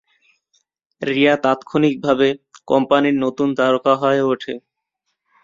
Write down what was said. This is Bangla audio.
রিয়া তাত্ক্ষণিকভাবে কোম্পানির নতুন তারকা হয়ে ওঠে।